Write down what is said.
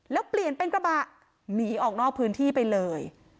แล้วเปลี่ยนเป็นกระบะหนีออกนอกพื้นที่ไปเลย